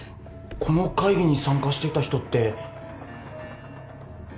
この会議に参加してた人って。